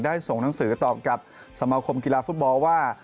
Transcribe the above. ส่งหนังสือตอบกับสมาคมกีฬาฟุตบอลว่า